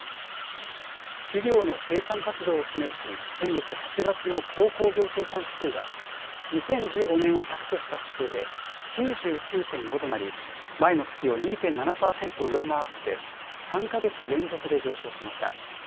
企業の生産活動を示す先月８月の鉱工業生産指数は２０１５年を１００とした指数で９９．５となり前の月を２．７％上回って３か月連続で上昇しました。